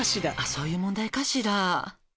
「そういう問題かしら」